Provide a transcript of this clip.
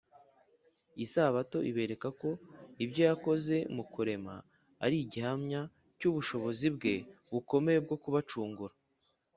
isabato ibereka ko ibyo yakoze mu kurema ari igihamya cy’ubushobozi bwe bukomeye bwo kubacungura